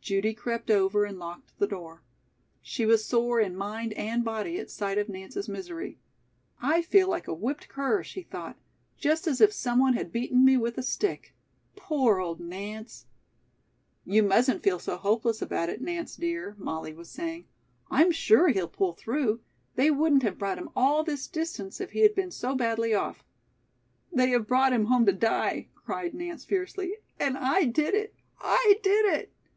Judy crept over and locked the door. She was sore in mind and body at sight of Nance's misery. "I feel like a whipped cur," she thought. "Just as if someone had beaten me with a stick. Poor old Nance!" "You mustn't feel so hopeless about it, Nance dear," Molly was saying. "I'm sure he'll pull through. They wouldn't have brought him all this distance if he had been so badly off." "They have brought him home to die!" cried Nance fiercely. "And I did it. I did it!"